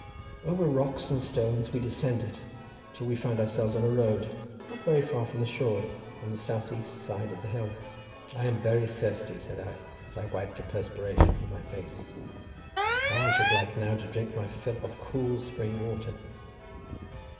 Over rocks and stones we descended till we found ourselves on a road, not very far from the shore, on the south east side of the hill. "I am very thirsty," said I, as I wiped the perspiration from my face; "how I should like now to drink my fill of cool spring water."